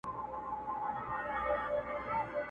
چوروندوک چي هم چالاکه هم هوښیار دی!.